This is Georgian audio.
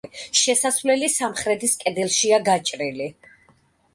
შესასვლელი სამხრეთის კედელშია გაჭრილი.